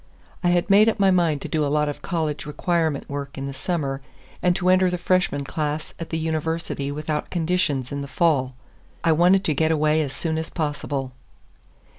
I had made up my mind to do a lot of college requirement work in the summer, and to enter the freshman class at the University without conditions in the fall. I wanted to get away as soon as possible.